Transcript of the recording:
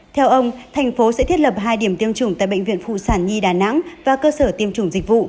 theo ông thành phố sẽ thiết lập hai điểm tiêm chủng tại bệnh viện phụ sản nhi đà nẵng và cơ sở tiêm chủng dịch vụ